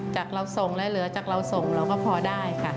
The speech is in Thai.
จากเราส่งแล้วเหลือจากเราส่งเราก็พอได้ค่ะ